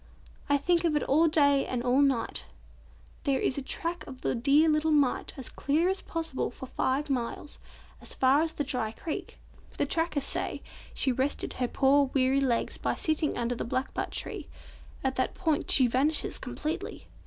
"I think of it all day and all night. There is the track of the dear little mite as clear as possible for five miles, as far as the dry creek. The trackers say she rested her poor weary legs by sitting under the blackbutt tree. At that point she vanishes completely.